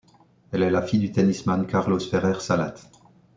Elle est la fille du tennisman Carlos Ferrer Salat.